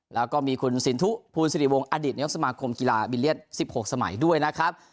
แล้วก็มีคุณสินทุภูลสิริวงศ์อดีตนายกสมาคมกีฬาบิลเลียน๑๖สมัยด้วยนะครับ